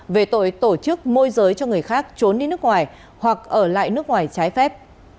về tội tổ chức môi giới cho người khác trốn đi nước ngoài hoặc ở lại nước ngoài trái phép